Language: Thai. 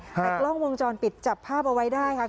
แต่กล้องวงจรปิดจับภาพเอาไว้ได้ค่ะ